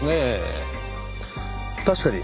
確かに。